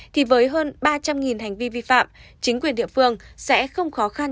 thì với hơn ba trăm linh hành vi vi phạm chính quyền địa phương sẽ không khó khăn